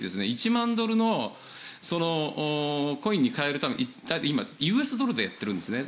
１万ドルのコインに換えるため今、ＵＳドルでやってるんですね